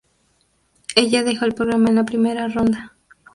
Ella dejó el programa en la primera ronda.